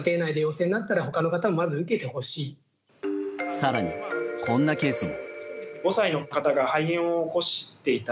更に、こんなケースも。